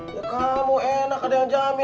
ya kamu enak ada yang jamin